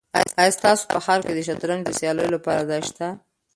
آیا ستاسو په ښار کې د شطرنج د سیالیو لپاره ځای شته؟